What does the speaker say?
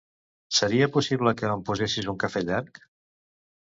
Seria possible que em posessis un cafè llarg?